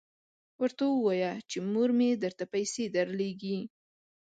ورته ووایه چې مور مې درته پیسې درلیږي.